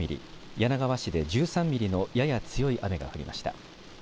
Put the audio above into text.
柳川市で１３ミリのやや強い雨が降りました。